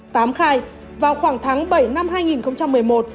tám khai vào khoảng tháng bảy năm hai nghìn một mươi một